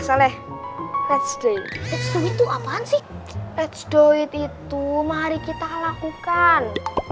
sle let's do it let's do it itu apaan sih let's do it itu mari kita lakukan